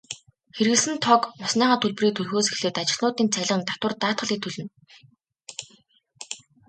Хэрэглэсэн тог, усныхаа төлбөрийг төлөхөөс эхлээд ажилтнуудын цалин, татвар, даатгалыг төлнө.